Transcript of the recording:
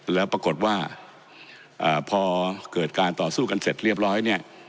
แล้วปรากฏว่าพอเกิดการต่อสู้กันเสร็จเรียบร้อยเนี่ย